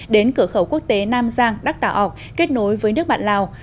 đến cửa khẩu quốc tế nam giang đắc tà ốc kết nối với nước bạn lào